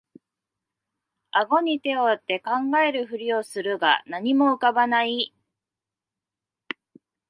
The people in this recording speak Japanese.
あごに手をあて考えるふりをするが何も浮かばない